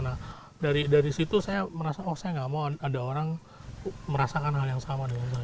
nah dari situ saya merasa oh saya gak mau ada orang merasakan hal yang sama dengan saya